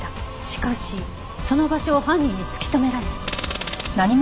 しかしその場所を犯人に突き止められ。